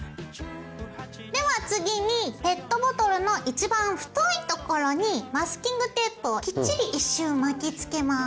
では次にペットボトルの一番太いところにマスキングテープをきっちり１周巻きつけます。